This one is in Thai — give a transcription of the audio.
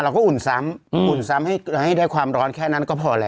อุ่นซ้ำอุ่นซ้ำให้ได้ความร้อนแค่นั้นก็พอแล้ว